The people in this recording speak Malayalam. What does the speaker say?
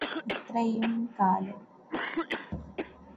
ഇത്രയും കാലം